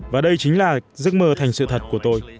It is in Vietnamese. và đây chính là giấc mơ thành sự thật của tôi